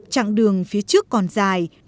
trạng đường phía trước còn dài